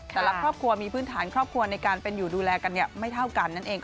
แต่ละครอบครัวมีพื้นฐานครอบครัวในการเป็นอยู่ดูแลกันไม่เท่ากันนั่นเอง